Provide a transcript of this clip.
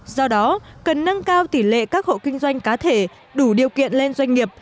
do đó cần nâng cao tỷ lệ các hộ kinh doanh cà phê đủ điều kiện lên doanh nghiệp